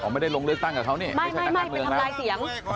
ไม่ได้ลงเลือดตั้งกับเขานี่ไม่ไปทำลายเสียง